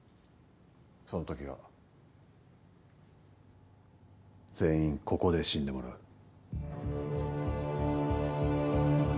そのときは全員ここで死んでもらう。